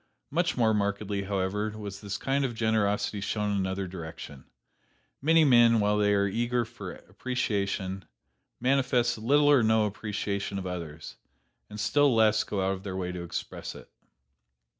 Much more markedly, however, was this kind of generosity shown in another direction. Many men, while they are eager for appreciation, manifest little or no appreciation of others, and still less go out of their way to express it.